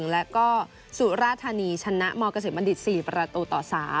แล้วก็สุราธานีชนะมเกษมบัณฑิต๔ประตูต่อ๓